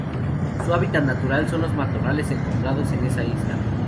Su hábitat natural son los matorrales encontrados en esa isla.